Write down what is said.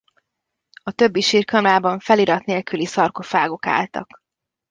A többi sírkamrában felirat nélküli szarkofágok álltak.